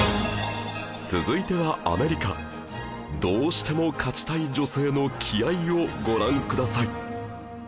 続いてはどうしても勝ちたい女性の気合をご覧ください